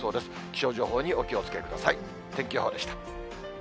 気象情報にお気をつけください。